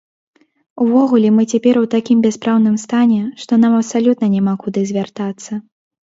Увогуле мы цяпер у такім бяспраўным стане, што нам абсалютна няма куды звяртацца.